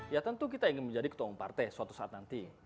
ya tentu kita ingin menjadi ketua umum partai suatu saat nanti